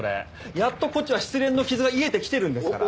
やっとこっちは失恋の傷が癒えてきてるんですから！